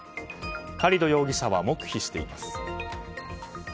カリド容疑者は黙秘しています。